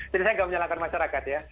jadi saya tidak menyalahkan masyarakat ya